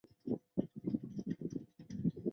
单县各乡镇设有卫生院或医院。